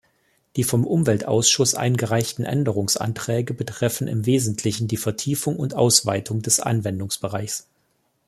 Die vom Umweltausschuss eingereichten Änderungsanträge betreffen im wesentlichen die Vertiefung und Ausweitung des Anwendungsbereichs.